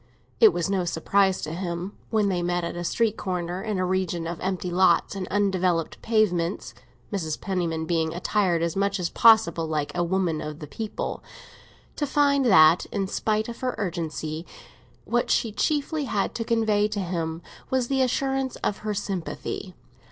It was no surprise to him, when they met at a street corner, in a region of empty lots and undeveloped pavements (Mrs. Penniman being attired as much as possible like a "woman of the people"), to find that, in spite of her urgency, what she chiefly had to convey to him was the assurance of her sympathy.